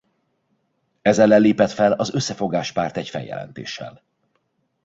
Ez ellen lépett fel az Összefogás Párt egy feljelentéssel.